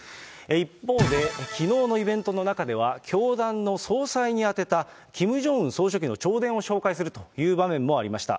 一方で、きのうのイベントの中では教団の総裁に宛てたキム・ジョンウン総書記の弔電を紹介するという場面もありました。